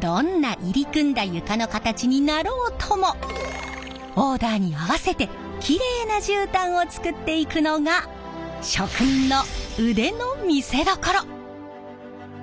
どんな入り組んだ床の形になろうともオーダーに合わせてきれいなじゅうたんを作っていくのが職人の腕の見せどころ！